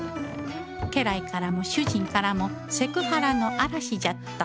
家来からも主人からもセクハラの嵐じゃった